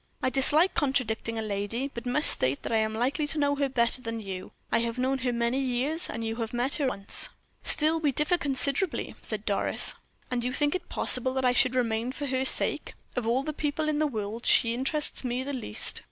"I dislike contradicting a lady, but must state that I am likely to know her better than you. I have known her many years, and you have only met her once." "Still we differ considerably," said Doris. "And you think it possible that I should remain for her sake? Of all the people in the world she interests me the least."